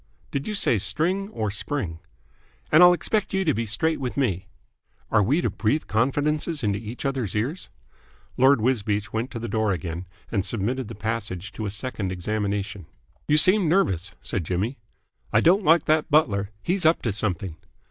"Did you say string or spring?" "And I'll expect you to be straight with me." "Are we to breathe confidences into each other's ears?" Lord Wisbeach went to the door again and submitted the passage to a second examination. "You seem nervous," said Jimmy. "I don't like that butler. He's up to something."